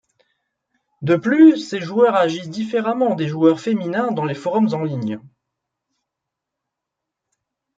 De plus, ces joueurs agissent différemment des joueurs féminins dans les forums en ligne.